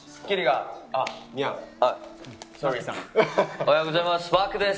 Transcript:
おはようございます。